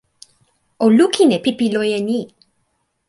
o lukin e pipi loje ni.